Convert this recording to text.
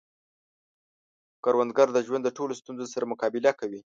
کروندګر د ژوند د ټولو ستونزو سره مقابله کوي